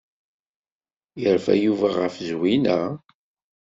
Yerfa Yuba ɣef Zwina?